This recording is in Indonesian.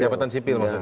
jabatan sipil maksudnya